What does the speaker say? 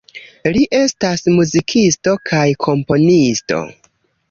Li estas muzikisto kaj komponisto.